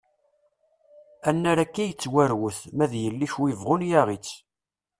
Annar akka i yettwarwat ma d yelli-k wi yebɣun yaɣ-itt!